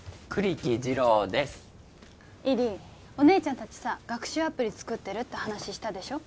お姉ちゃん達さ学習アプリ作ってるって話したでしょ？